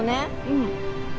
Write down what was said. うん。